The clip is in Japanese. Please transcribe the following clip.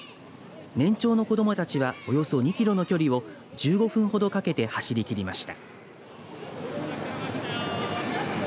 年長の子どもたちはおよそ２キロの距離を１５分ほどかけて走り切りました。